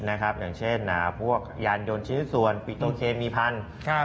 อย่างเช่นพวกยานยนต์ชิ้นส่วนปิโตเคมีพันธุ์